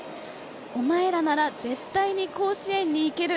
お前らなら絶対に甲子園に行ける。